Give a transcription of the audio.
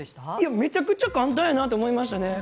めちゃくちゃ簡単やなと思いました。